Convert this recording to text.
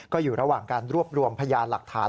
ก็อยู่ระหว่างการรวบรวมพยานหลักฐาน